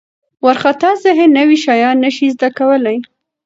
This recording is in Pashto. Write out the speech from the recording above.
وارخطا ذهن نوي شیان نه شي زده کولی.